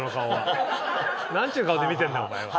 何ちゅう顔で見てんだお前は。